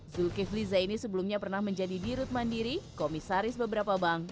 zulkifli zaini sebelumnya pernah menjadi dirut mandiri komisaris beberapa bank